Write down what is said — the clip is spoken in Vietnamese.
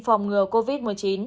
phòng ngừa covid một mươi chín